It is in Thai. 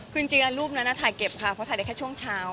คือจริงรูปนั้นถ่ายเก็บค่ะเพราะถ่ายได้แค่ช่วงเช้า